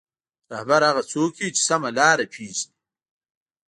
رهبر هغه څوک وي چې سمه لاره پېژني.